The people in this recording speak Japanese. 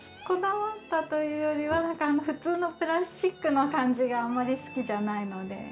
こだわったというよりは普通のプラスチックの感じがあんまり好きじゃないので。